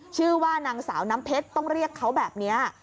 ชื่อว่านางสาวน้ำเพชรต้องเรียกเขาแบบนี้